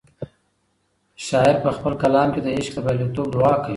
شاعر په خپل کلام کې د عشق د بریالیتوب دعا کوي.